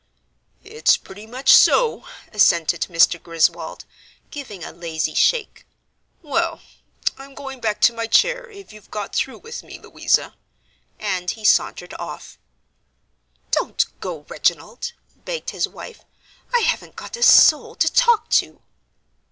"It's pretty much so," assented Mr. Griswold, giving a lazy shake. "Well, I'm going back to my chair if you've got through with me, Louisa." And he sauntered off. "Don't go, Reginald," begged his wife; "I haven't got a soul to talk to."